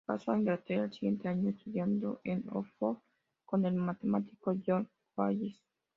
Pasó a Inglaterra al siguiente año, estudiando en Oxford con el matemático John Wallis.